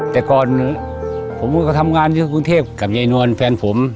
แต่ก่อนผมก็ทำงานอยู่กรุงเทพกับยายนวลแฟนผม